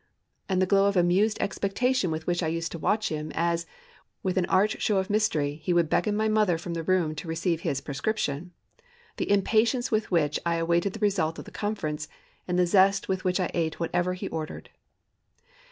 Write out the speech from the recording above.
and the glow of amused expectation with which I used to watch him, as, with an arch show of mystery, he would beckon my mother from the room to receive his "prescription;" the impatience with which I awaited the result of the conference, and the zest with which I ate whatever he ordered.